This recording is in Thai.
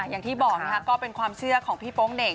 อย่างที่บอกก็เป็นความเชื่อของพี่โป๊งเหน่ง